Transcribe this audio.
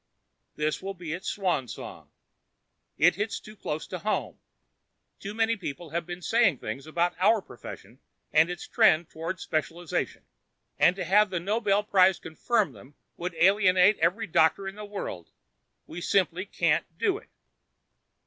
This will be its swan song. It hits too close to home. Too many people have been saying similar things about our profession and its trend toward specialization. And to have the Nobel Prize confirm them would alienate every doctor in the world. We simply can't do it."